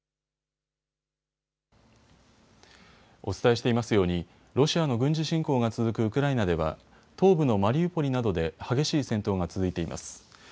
お伝えしていますようにロシアの軍事侵攻が続くウクライナでは東部のマリウポリなどで激しい戦闘が続いています。